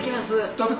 食べて！